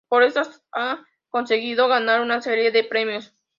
Por estas, ha conseguido ganar una serie de premios.